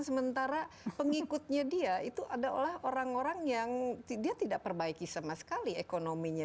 sementara pengikutnya dia itu adalah orang orang yang dia tidak perbaiki sama sekali ekonominya